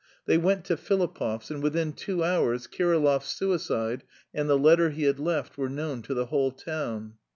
They went to Filipov's, and within two hours Kirillov's suicide and the letter he had left were known to the whole town.